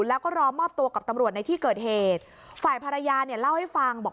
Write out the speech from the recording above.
แล้วก็รอมอบตัวกับตำรวจในที่เกิดเหตุฝ่ายภรรยาเนี่ยเล่าให้ฟังบอก